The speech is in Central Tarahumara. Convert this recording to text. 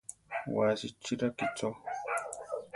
Wasi chi rakícho.